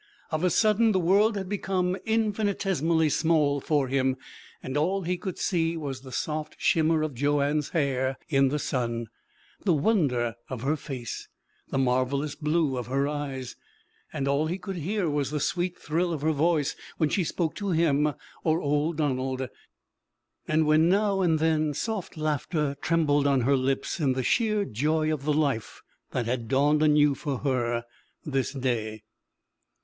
Of a sudden the world had become infinitesimally small for him, and all he could see was the soft shimmer of Joanne's hair in the sun, the wonder of her face, the marvellous blue of her eyes and all he could hear was the sweet thrill of her voice when she spoke to him or old Donald, and when, now and then, soft laughter trembled on her lips in the sheer joy of the life that had dawned anew for her this day.